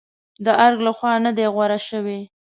د ارګ لخوا نه دي غوره شوې.